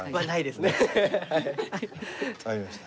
わかりました。